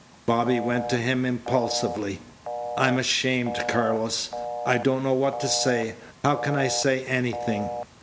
Bobby went to him impulsively. "I'm ashamed, Carlos. I don't know what to say. How can I say anything?